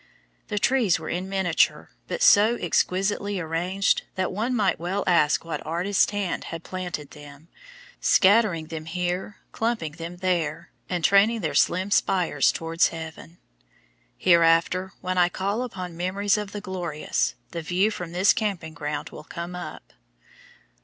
The trees were in miniature, but so exquisitely arranged that one might well ask what artist's hand had planted them, scattering them here, clumping them there, and training their slim spires towards heaven. Hereafter, when I call up memories of the glorious, the view from this camping ground will come up.